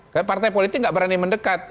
karena partai politik tidak berani mendekat